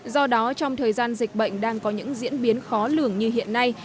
do đó trong thời gian dịch bệnh đang có những diễn biến khó lường như hiện nay